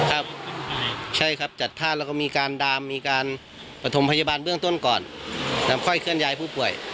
ครับใช่ครับจัดท่าแล้วก็มีการดามมีการประถมพยาบาลเบื้องต้นก่อนแล้วค่อยเคลื่อนย้ายผู้ป่วย